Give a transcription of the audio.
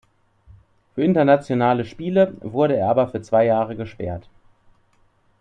Für internationale Spiele wurde er aber für zwei Jahre gesperrt.